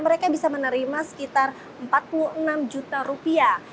mereka bisa menerima sekitar empat puluh enam juta rupiah